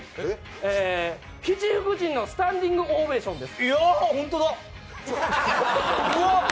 七福神のスタンディングオベーションです。